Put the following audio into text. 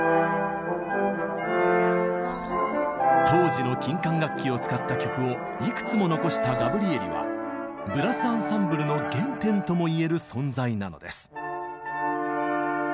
当時の金管楽器を使った曲をいくつも残したガブリエリはブラス・アンサンブルの原点とも言える存在なのです。